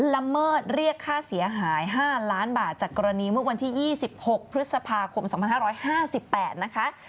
ละเมิดเรียกค่าเสียหาย๕ล้านบาทจากกรณีเมื่อวันที่๒๖พฤษภาคม๒๕๕๘นะคะ